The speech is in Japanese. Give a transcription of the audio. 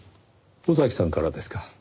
尾崎さんからですか。